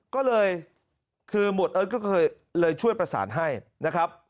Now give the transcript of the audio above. ก็เลยคือหมวดเอิร์ทก็เคยเลยช่วยประสานให้นะครับ